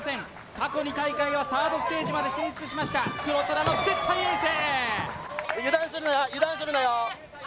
過去２大会はサードステージまで進出しました黒虎の絶対エース